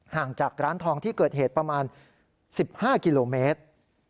ห่างจากร้านทองที่เกิดเหตุประมาณ๑๕กิโลเมตร